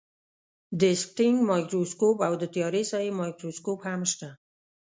دیسکټینګ مایکروسکوپ او د تیارې ساحې مایکروسکوپ هم شته.